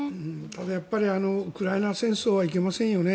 やっぱりウクライナ戦争はいけませんよね。